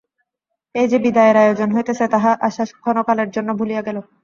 এ যে বিদায়ের আয়োজন হইতেছে, তাহা আশা ক্ষণকালের জন্য ভুলিয়া গেল।